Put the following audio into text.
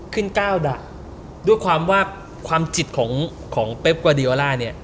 ก้าวดะด้วยความว่าความจิตของของเป๊บกวาดีโอล่าเนี่ย